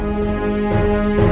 lalu mohon jadinya